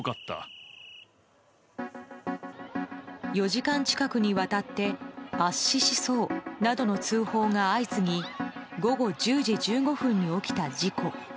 ４時間近くにわたって圧死しそうなどの通報が相次ぎ午後１０時１５分に起きた事故。